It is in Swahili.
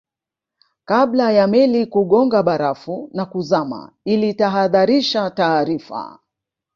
kabla ya meli kugonga barafu na kuzama ilitahadharisha taarifa